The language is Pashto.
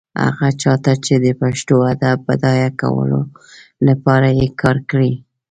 هغه چا ته چې د پښتو ادب بډایه کولو لپاره يې کار کړی.